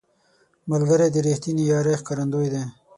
ملګری د رښتینې یارۍ ښکارندوی دی